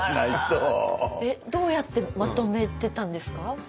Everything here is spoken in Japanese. えっどうやってまとめてたんですか？